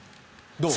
どう？